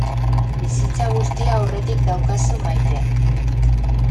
Bizitza guztia aurretik daukazu maitea.